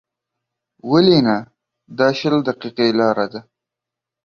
ولې نه، دا شل دقیقې لاره ده.